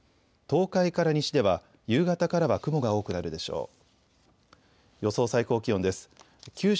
東海から西では夕方からは雲が多くなるでしょう。